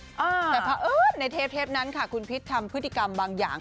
แต่เพราะเอิญในเทปนั้นค่ะคุณพิษทำพฤติกรรมบางอย่าง